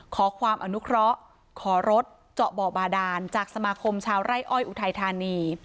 ขอความอนุเคราะห์ขอรถเจาะบ่อบาดานจากสมาคมชาวไร่อ้อยอุทัยธานี